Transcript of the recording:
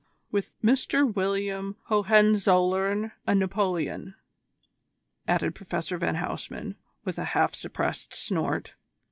"With Mister William Hohenzollern a Napoleon," added Professor van Huysman, with a half suppressed snort.